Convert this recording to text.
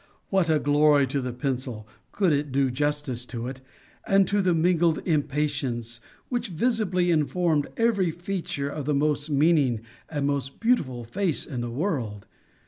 What a glory to the pencil, could it do justice to it, and to the mingled impatience which visibly informed every feature of the most meaning and most beautiful face in the world!